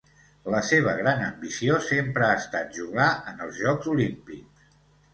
La seva gran ambició sempre ha estat jugar en els Jocs Olímpics.